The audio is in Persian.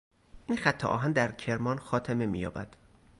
این خط آهن در کرمان خاتمه مییابد.